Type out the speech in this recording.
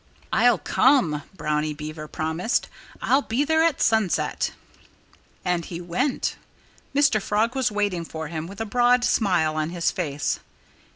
"I'll come!" Brownie Beaver promised. "I'll be there at sunset." And he went. Mr. Frog was waiting for him, with a broad smile on his face.